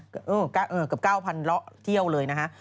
เกือบ๙๐๐เลาะเที่ยวเลยนะฮะ